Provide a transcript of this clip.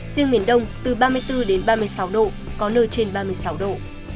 riêng miền đông từ ba mươi bốn đến ba mươi sáu độ có nơi trên ba mươi sáu độ